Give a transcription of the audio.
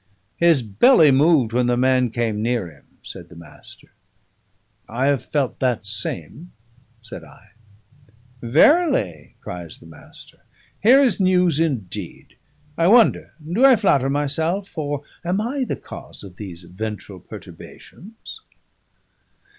"His belly moved when the man came near him," said the Master. "I have felt that same," said I. "Verily!" cries the Master. "Here is news indeed! I wonder do I flatter myself? or am I the cause of these ventral perturbations?"